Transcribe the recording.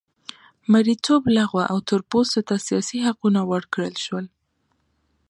مریتوب لغوه او تور پوستو ته سیاسي حقوق ورکړل شول.